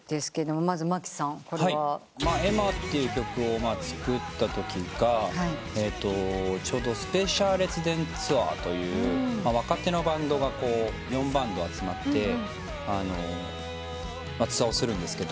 『エマ』って曲を作ったときがちょうど「スペースシャワー列伝ツアー」という若手のバンドが４バンド集まってツアーをするんです。